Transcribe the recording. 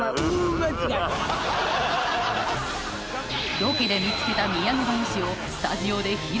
ロケで見つけたみやげ話をスタジオで披露